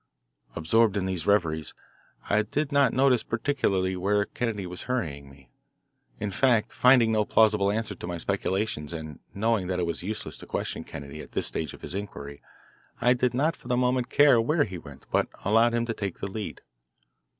Absorbed in these reveries, I did not notice particularly where Kennedy was hurrying me. In fact, finding no plausible answer to my speculations and knowing that it was useless to question Kennedy at this stage of his inquiry, I did not for the moment care where we went but allowed him to take the lead.